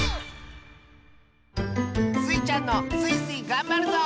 スイちゃんの「スイスイ！がんばるぞ」